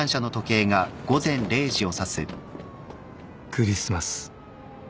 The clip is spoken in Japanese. ［クリスマス］